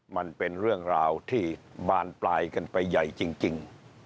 มันเป็นเรื่องราวที่บานปลายกันไปใหญ่จริง